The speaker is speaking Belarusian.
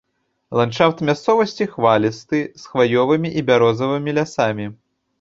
Ландшафт мясцовасці хвалісты з хваёвымі і бярозавымі лясамі.